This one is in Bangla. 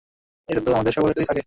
এটা তো আমাদের সবার ভেতরেই থাকে।